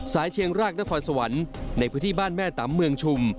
เชียงรากนครสวรรค์ในพื้นที่บ้านแม่ตำเมืองชุม